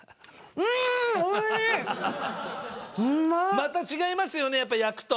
また違いますよねやっぱ焼くと。